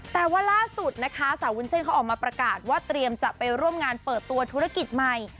แต่ว่าล่าสุดนะคะสาววุ้นเส้นเขาออกมาประกาศว่าเตรียมจะไปร่วมงานเปิดตัวธุรกิจใหม่